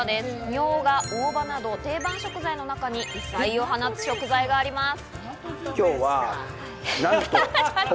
みょうが、大葉など、定番食材の中に異彩を放つ食材があります。